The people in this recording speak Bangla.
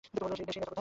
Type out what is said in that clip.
সেই নেতা কোথায়?